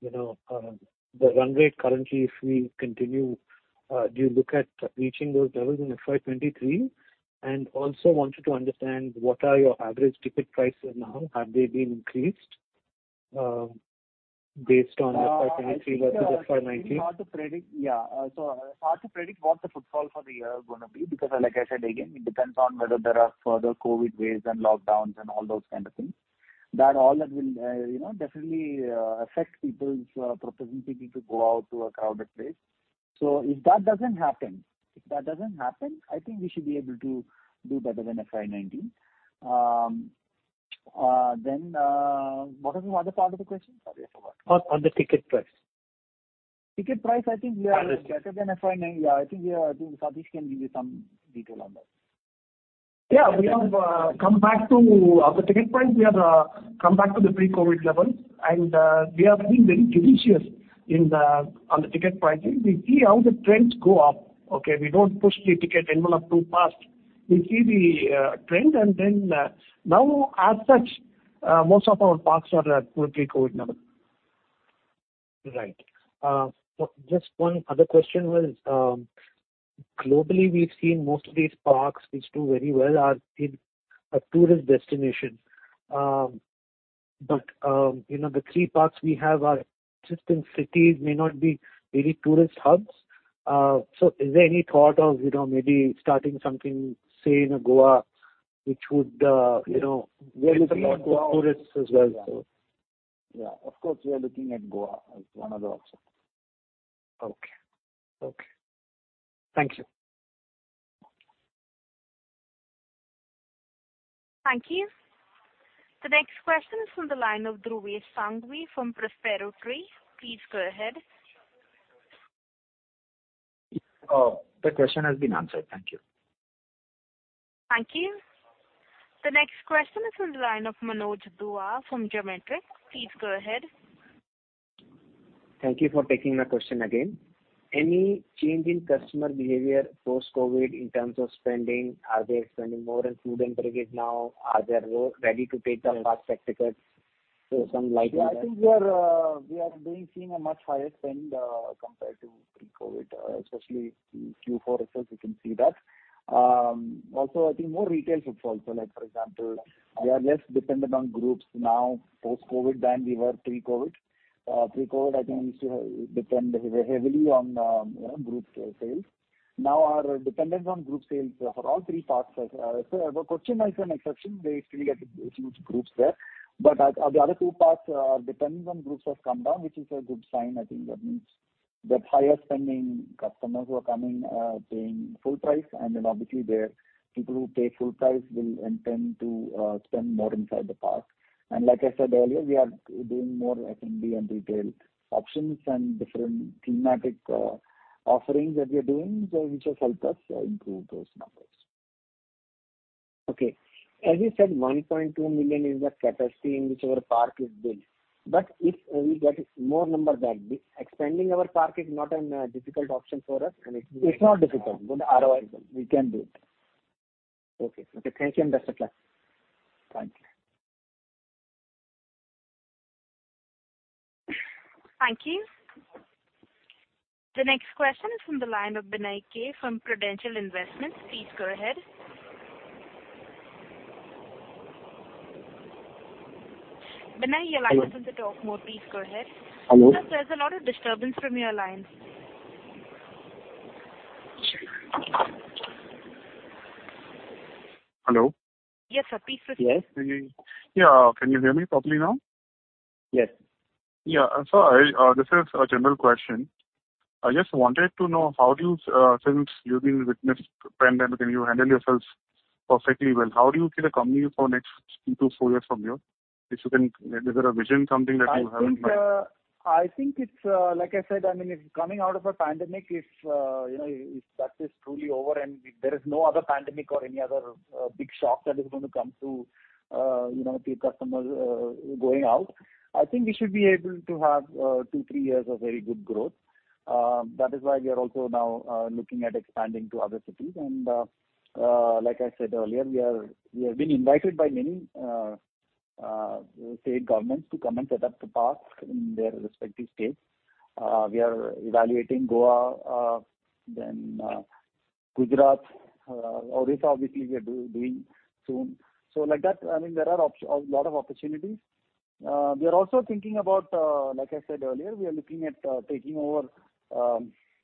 you know, the run rate currently if we continue? Do you look at reaching those levels in FY 2023? Also wanted to understand what are your average ticket prices now? Have they been increased based on I think we are. FY 2023 versus FY 2019. Hard to predict what the footfall for the year is gonna be because like I said, again, it depends on whether there are further COVID waves and lockdowns and all those kind of things. That will, you know, definitely affect people's propensity to go out to a crowded place. If that doesn't happen, I think we should be able to do better than FY 2019. What was the other part of the question? Sorry, I forgot. On the ticket price. Ticket price, I think we are. Prices. better than FY 2019. Yeah, I think we are doing. Satheesh can give you some detail on that. We have come back to pre-COVID levels on the ticket price. We are being very judicious on the ticket pricing. We see how the trends go up, okay. We don't push the ticket envelope too fast. We see the trend and then now as such most of our parks are at pre-COVID level. Right. Just one other question was, globally we've seen most of these parks which do very well are in a tourist destination. You know, the three parks we have are just in cities. May not be very tourist hubs. Is there any thought of, you know, maybe starting something, say, in Goa, which would, you know- We are looking at Goa. attract the tourists as well, so. Yeah. Of course, we are looking at Goa as one other option. Okay. Thank you. Thank you. The next question is from the line of Dhruvesh Sanghvi from Prospero Tree. Please go ahead. Oh, the question has been answered. Thank you. Thank you. The next question is from the line of Manoj Dua from Geometric. Please go ahead. Thank you for taking my question again. Any change in customer behavior post-COVID in terms of spending? Are they spending more on food and beverage now? Are they more ready to take the fast track tickets? Some like that. Yeah, I think we are seeing a much higher spend compared to pre-COVID, especially Q4 results, you can see that. Also I think more retail shops also, like for example, we are less dependent on groups now post-COVID than we were pre-COVID. Pre-COVID I think we used to depend heavily on, you know, group sales. Now our dependence on group sales for all three parks is, so Hyderabad is an exception. We still get huge groups there. At the other two parks, dependence on groups has come down, which is a good sign. I think that means that higher spending customers who are coming, paying full price, and then obviously the people who pay full price will intend to spend more inside the park. Like I said earlier, we are doing more F&B and retail options and different thematic offerings that we are doing so which has helped us improve those numbers. Okay. As you said, 1.2 million is the capacity in which our park is built. If we get more numbers than this, expanding our park is not a difficult option for us. It's not difficult. the ROI is good. We can do it. Okay. Okay. Thank you, and best of luck. Thank you. Thank you. The next question is from the line of Binay K from Prudential Investments. Please go ahead. Binay, your line is on the talk mode. Please go ahead. Hello? Sir, there's a lot of disturbance from your line. Hello? Yes, sir. Please proceed. Yes. Yeah. Can you hear me properly now? Yes. Yeah. This is a general question. I just wanted to know how do you, since you've witnessed the pandemic and you handled yourselves perfectly well, how do you see the company for the next two to four years from here? If you can, is there a vision something that you have in mind? I think it's like I said, I mean, if coming out of a pandemic, if you know, if that is truly over and there is no other pandemic or any other big shock that is gonna come to you know, the customers going out, I think we should be able to have two to three years of very good growth. That is why we are also now looking at expanding to other cities. Like I said earlier, we have been invited by many state governments to come and set up the park in their respective states. We are evaluating Goa, then Gujarat. Odisha obviously we are doing soon. Like that, I mean, there are a lot of opportunities. We are also thinking about, like I said earlier, we are looking at, taking over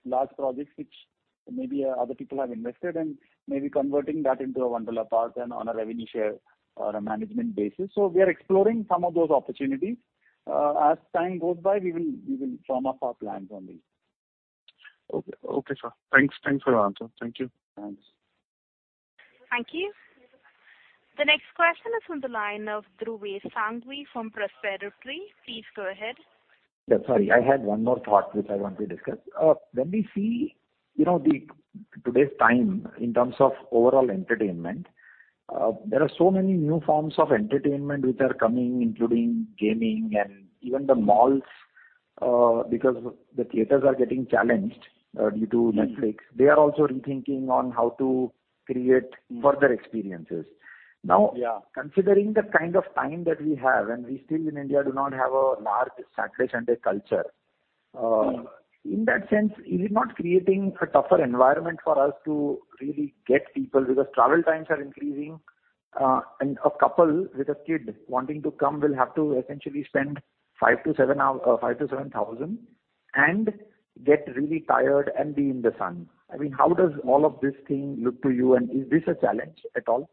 large projects which maybe other people have invested and maybe converting that into a Wonderla park and on a revenue share or a management basis. We are exploring some of those opportunities. As time goes by, we will firm up our plans on these. Okay, sir. Thanks for your answer. Thank you. Thanks. Thank you. The next question is from the line of Dhruvesh Sanghvi from Prospero Tree. Please go ahead. Sorry. I had one more thought which I want to discuss. When we see, you know, today's time in terms of overall entertainment, there are so many new forms of entertainment which are coming, including gaming and even the malls, because the theaters are getting challenged due to Netflix. They are also rethinking on how to create further experiences. Considering the kind of time that we have, we still in India do not have a large Saturday/Sunday culture. In that sense, is it not creating a tougher environment for us to really get people? Because travel times are increasing. A couple with a kid wanting to come will have to essentially spend 5,000-7,000 and get really tired and be in the sun. I mean, how does all of this thing look to you, and is this a challenge at all?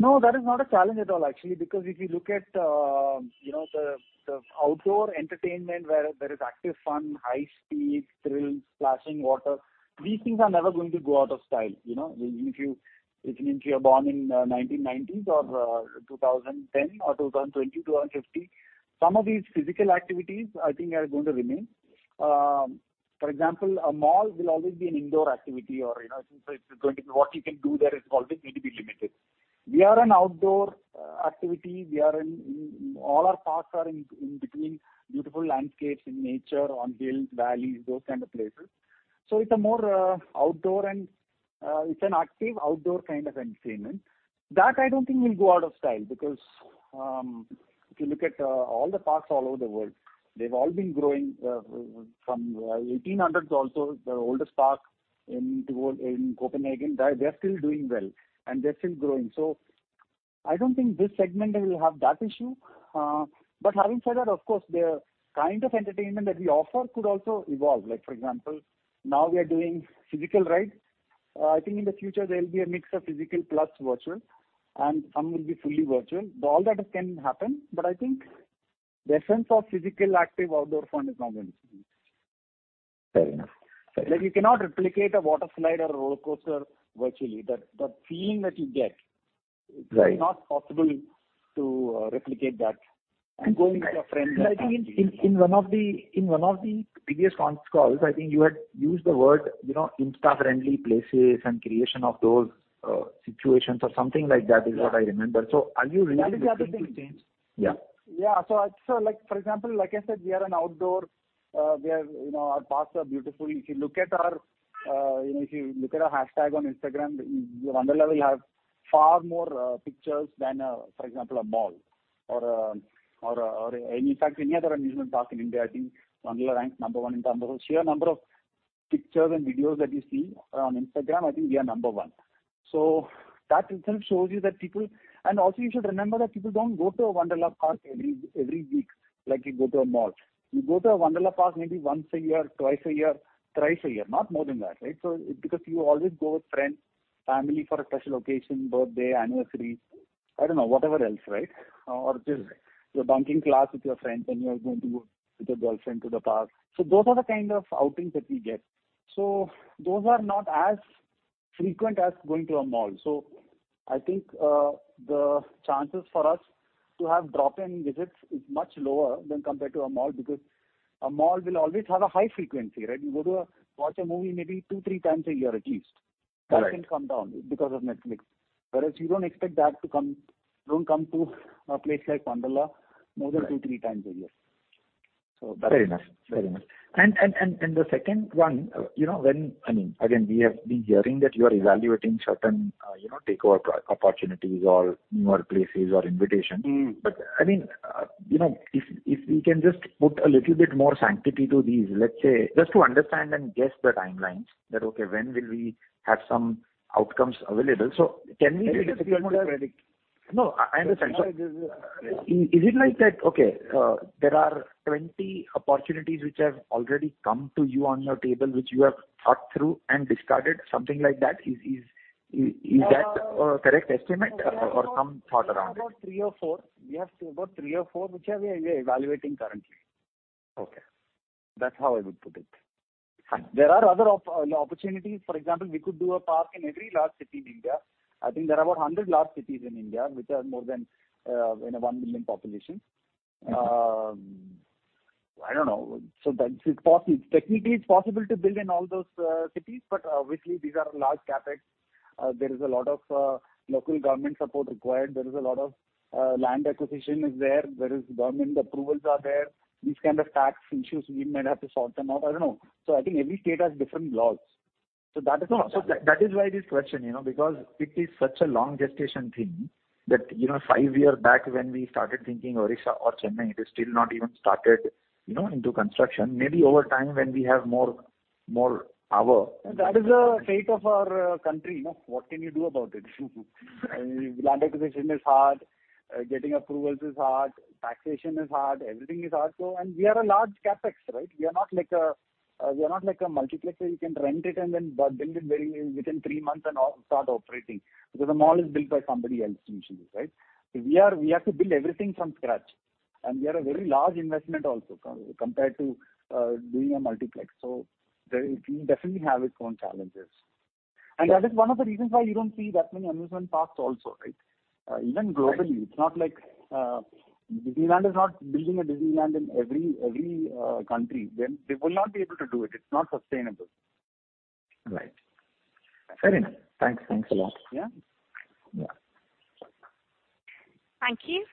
No, that is not a challenge at all, actually. Because if you look at, you know, the outdoor entertainment where there is active fun, high speeds, thrills, splashing water, these things are never going to go out of style, you know. If you are born in 1990s or 2010 or 2020, 2050, some of these physical activities, I think are going to remain. For example, a mall will always be an indoor activity or, you know, since it's going to be what you can do there is always going to be limited. We are an outdoor activity. All our parks are in between beautiful landscapes, in nature, on hills, valleys, those kind of places. It's a more outdoor and it's an active outdoor kind of entertainment. That I don't think will go out of style because if you look at all the parks all over the world, they've all been growing from 1800s also. The oldest park in the world in Copenhagen, they are still doing well and they're still growing. I don't think this segment will have that issue. But having said that, of course, the kind of entertainment that we offer could also evolve. Like, for example, now we are doing physical rides. I think in the future there will be a mix of physical plus virtual, and some will be fully virtual. All that can happen, but I think the essence of physical, active, outdoor fun is not going to change. Fair enough. Fair enough. Like, you cannot replicate a water slide or a roller coaster virtually. The feeling that you get. Right. It's not possible to replicate that. Going with your friends and family. I think in one of the previous conf calls, I think you had used the word, you know, Insta-friendly places and creation of those situations or something like that is what I remember. Yeah. Are you really looking to change? That is the other thing. Yeah. Yeah. Like for example, like I said, we are an outdoor, we are, you know, our parks are beautiful. If you look at our, you know, hashtag on Instagram, Wonderla will have far more pictures than, for example, a mall or any other amusement park in India. I think Wonderla ranks number one in terms of sheer number of pictures and videos that you see on Instagram. I think we are number one. That itself shows you that people. Also you should remember that people don't go to a Wonderla park every week like you go to a mall. You go to a Wonderla park maybe once a year, twice a year, thrice a year, not more than that, right? Because you always go with friends, family for a special occasion, birthday, anniversary, I don't know, whatever else, right? Just you're bunking class with your friends and you are going to go with your girlfriend to the park. Those are the kind of outings that we get. Those are not as frequent as going to a mall. I think the chances for us to have drop-in visits is much lower than compared to a mall because a mall will always have a high frequency, right? You go to watch a movie maybe 2x-3x a year at least. Right. That can come down because of Netflix. Whereas you don't expect that to don't come to a place like Wonderla more than 2x-3x a year. Right. That's it. Fair enough. Fair enough. The second one, you know, when, I mean, again, we have been hearing that you are evaluating certain, you know, takeover opportunities or new places or acquisitions. I mean, you know, if we can just put a little bit more certainty to these, let's say just to understand and guess the timelines, okay, when will we have some outcomes available? Can we? It is difficult to predict. No, I understand. Is it like that, okay, there are 20 opportunities which have already come to you on your table, which you have thought through and discarded, something like that? Is that a correct estimate or some thought around it? We have about three or four. We have about three or four which we are evaluating currently. Okay. That's how I would put it. There are other opportunities. For example, we could do a park in every large city in India. I think there are about 100 large cities in India which have more than you know 1 million population. I don't know. That is possible. Technically, it's possible to build in all those cities, but obviously these are large CapEx. There is a lot of local government support required. There is a lot of land acquisition there. There are government approvals there. These kind of tax issues, we might have to sort them out. I don't know. I think every state has different laws. That is also. That is why this question, you know, because it is such a long gestation thing that, you know, five year back when we started thinking Odisha or Chennai, it is still not even started, you know, into construction. Maybe over time, when we have more power. That is the state of our country, no? What can you do about it? Land acquisition is hard. Getting approvals is hard. Taxation is hard. Everything is hard. We are a large CapEx, right? We are not like a multiplex where you can rent it and then build it very within three months and start operating. Because a mall is built by somebody else usually, right? We have to build everything from scratch. We are a very large investment also compared to doing a multiplex. There it definitely has its own challenges. That is one of the reasons why you don't see that many amusement parks also, right? Even globally. Right. It's not like Disneyland is not building a Disneyland in every country. They will not be able to do it. It's not sustainable. Right. Fair enough. Thanks. Thanks a lot. Yeah. Yeah. Thank you.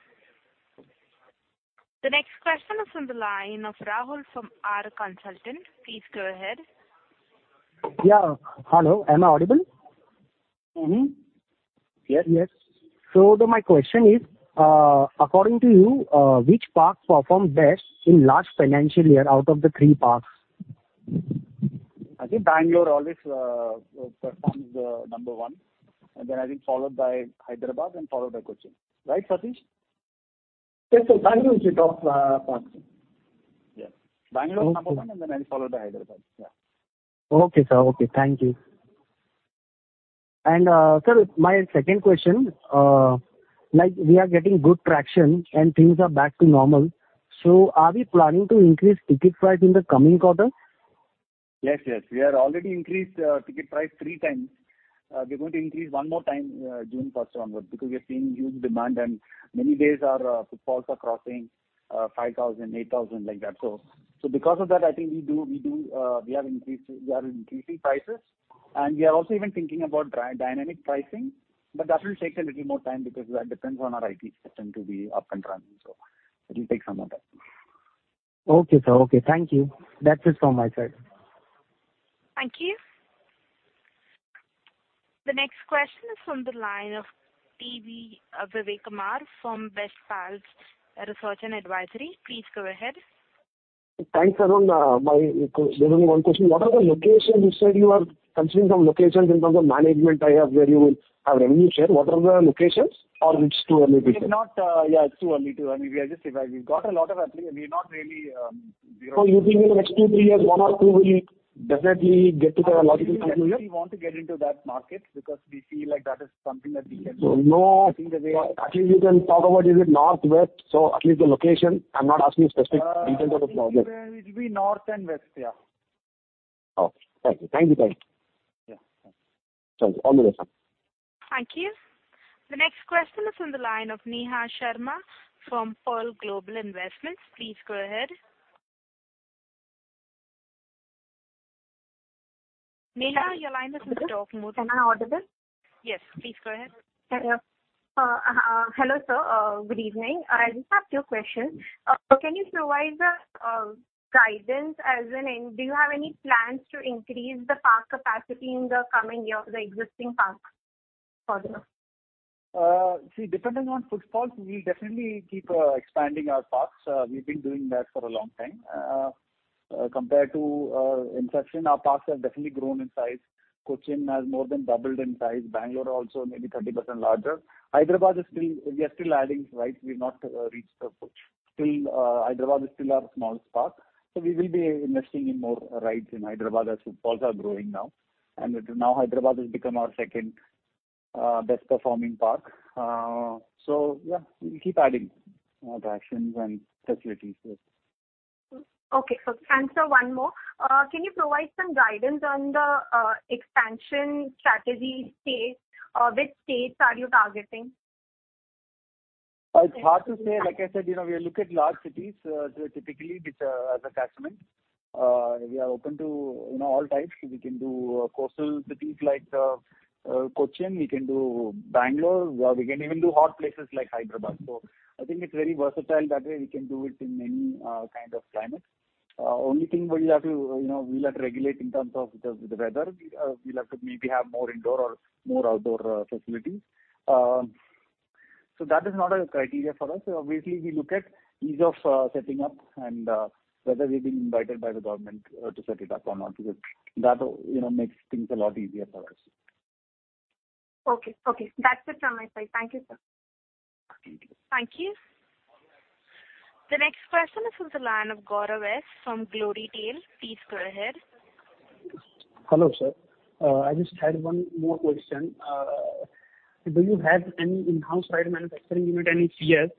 The next question is from the line of Rahul from R Consultant. Please go ahead. Yeah. Hello, am I audible? Mm-hmm. Yes, yes. My question is, according to you, which park performed best in last financial year out of the three parks? I think Bangalore always performs number one, and then I think followed by Hyderabad and followed by Kochi. Right, Satheesh? Yes, sir. Bangalore is the top park, sir. Yeah. Bangalore is number one, and then followed by Hyderabad. Yeah. Okay, sir. Okay, thank you. Sir, my second question. Like, we are getting good traction and things are back to normal, so are we planning to increase ticket price in the coming quarter? Yes. We have already increased the ticket price three times. We're going to increase one more time, June 1 onwards, because we are seeing huge demand and many days our footfalls are crossing 5,000, 8,000, like that. Because of that, I think we do, we have increased, prices, and we are also even thinking about dynamic pricing, but that will take a little more time because that depends on our IT system to be up and running. It'll take some more time. Okay, sir. Okay, thank you. That's it from my side. Thank you. The next question is from the line of TVK Vivek Kumar from Bestpals Research & Advisory. Please go ahead. Thanks, everyone. There's only one question. What are the locations? You said you are considering some locations in terms of management hire, where you will have a revenue share. What are the locations, or is it too early to say? It's not. Yeah, it's too early to. I mean, we are just. We've got a lot of. We're not really, we don't. You think in the next two to three years, one or two will definitely get to the logical conclusion? We definitely want to get into that market because we feel like that is something that we can do. So no- I think the way I At least you can talk about is it north, west? At least the location. I'm not asking specific details of the project. It'll be north and west. Yeah. Okay. Thank you. Yeah. Thanks. Thank you. All the best. Thank you. The next question is on the line of Neha Sharma from Pearl Global Investments. Please go ahead. Neha, your line is in talk mode. Am I audible? Yes, please go ahead. Hello, sir. Good evening. I just have two questions. Can you provide guidance as in, do you have any plans to increase the park capacity in the coming year for the existing parks further? See, depending on footfalls, we'll definitely keep expanding our parks. We've been doing that for a long time. Compared to inception, our parks have definitely grown in size. Kochi has more than doubled in size. Bangalore also maybe 30% larger. Hyderabad is still. We are still adding rides. We've not reached the full. Still, Hyderabad is still our smallest park, so we will be investing in more rides in Hyderabad as footfalls are growing now, and now Hyderabad has become our second best performing park. So yeah, we'll keep adding attractions and facilities, yes. Sir, one more. Can you provide some guidance on the expansion strategy stage? Which states are you targeting? It's hard to say. Like I said, you know, we look at large cities. Typically which are the catchments. We are open to, you know, all types. We can do coastal cities like Kochi. We can do Bangalore. We can even do hot places like Hyderabad. I think it's very versatile that way. We can do it in any kind of climate. Only thing we'll have to, you know, regulate in terms of the weather. We'll have to maybe have more indoor or more outdoor facilities. That is not a criteria for us. Obviously, we look at ease of setting up and whether we've been invited by the government to set it up or not, because that, you know, makes things a lot easier for us. Okay. That's it from my side. Thank you, sir. Thank you. Thank you. The next question is from the line of Gaurav S from Glorytail. Please go ahead. Hello, sir. I just had one more question. Do you have any in-house ride manufacturing unit, and if yes,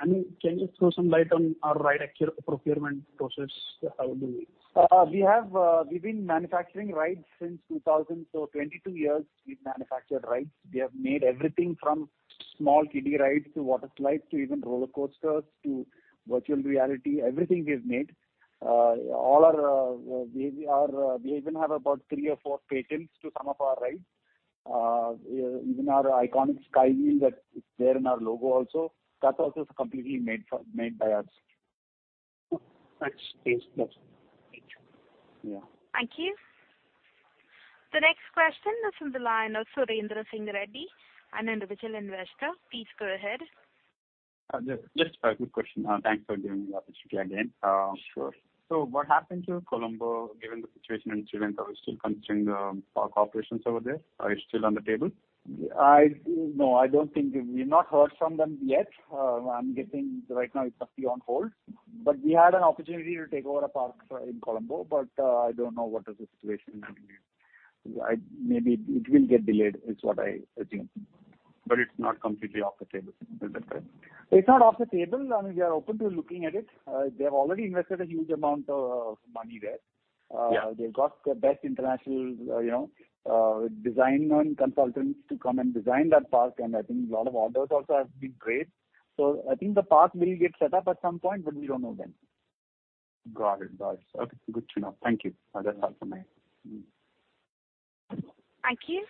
I mean, can you throw some light on our ride procurement process? How do you do it? We've been manufacturing rides since 2000, so 22 years we've manufactured rides. We have made everything from small kiddie rides to water slides to even roller coasters to virtual reality. Everything we've made. We even have about three or four patents to some of our rides. Even our iconic Sky Wheel that is there in our logo also, that also is completely made by us. That's it. Thank you. Yeah. Thank you. The next question is from the line of Surendra Singh Reddy, an individual investor. Please go ahead. Yes. Just a quick question. Thanks for giving me the opportunity again. Sure. What happened to Colombo, given the situation in Sri Lanka? Are you still considering the park operations over there? Are you still on the table? No, I don't think. We've not heard from them yet. I'm guessing right now it's actually on hold. We had an opportunity to take over a park in Colombo, but I don't know what is the situation now. I, maybe it will get delayed is what I assume. It's not completely off the table. Is that correct? It's not off the table. I mean, we are open to looking at it. They've already invested a huge amount of money there. Yeah. They've got the best international, you know, design-renowned consultants to come and design that park, and I think a lot of outdoors also have been great. I think the park will get set up at some point, but we don't know when. Got it. Okay. Good to know. Thank you. That's all for me. Thank you.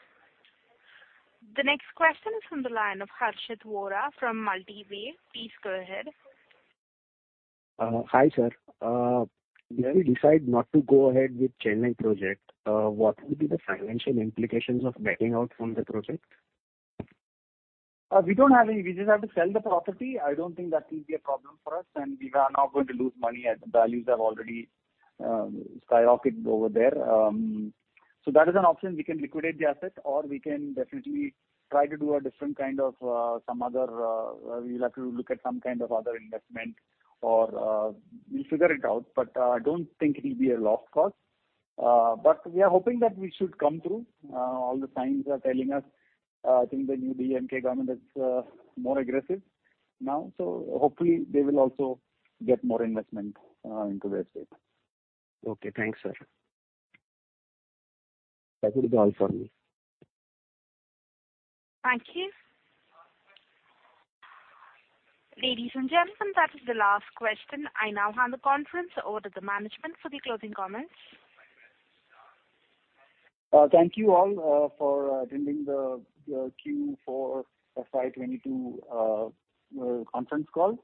The next question is from the line of Harshit Vora from Multi Way. Please go ahead. Hi, sir. May we decide not to go ahead with Chennai project. What will be the financial implications of backing out from the project? We just have to sell the property. I don't think that will be a problem for us, and we are not going to lose money as the values have already skyrocketed over there. That is an option. We can liquidate the assets, or we can definitely try to do some kind of other investment or we'll figure it out. I don't think it'll be a lost cause. We are hoping that we should come through. All the signs are telling us, I think the new DMK government is more aggressive now. Hopefully they will also get more investment into their state. Okay. Thanks, sir. That would be all for me. Thank you. Ladies and gentlemen, that is the last question. I now hand the conference over to the management for the closing comments. Thank you all for attending the Q4 FY 2022 conference call.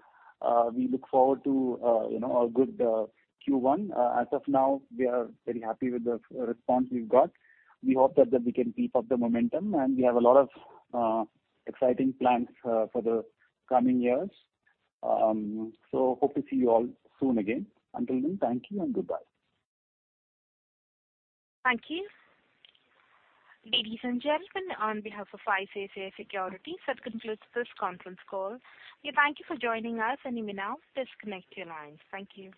We look forward to, you know, a good Q1. As of now, we are very happy with the response we've got. We hope that we can keep up the momentum, and we have a lot of exciting plans for the coming years. Hope to see you all soon again. Until then, thank you and goodbye. Thank you. Ladies and gentlemen, on behalf of ICICI Securities, that concludes this conference call. We thank you for joining us. You may now disconnect your lines. Thank you.